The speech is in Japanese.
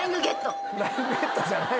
「フライングゲット」じゃない。